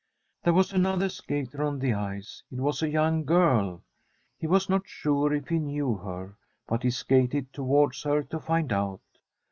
There was another skater on the ice ; it was a young girl. He was not sure if he knew her, but he skated towards her to find out.